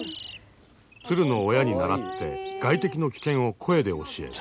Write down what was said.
ツルの親に倣って外敵の危険を声で教える。